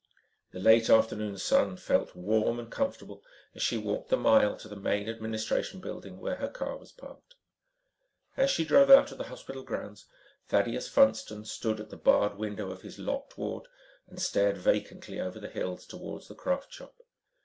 The late afternoon sun felt warm and comfortable as she walked the mile to the main administration building where her car was parked. As she drove out of the hospital grounds, Thaddeus Funston stood at the barred window of his locked ward and stared vacantly over the hills towards the craft shop.